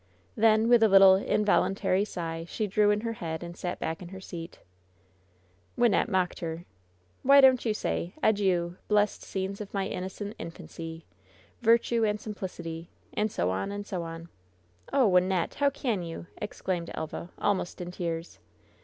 Then, with a little, involuntary sigh, she drew in her head and sat back in her seat. Wynnette mocked her. ^^Why don't you say, 'Adieu, blest scenes of my inno cent infancy! Virtue and simplicity,' and so on and so on !" "Oh, Wynnette! How can you?" exclaimed Elva, almost in tears.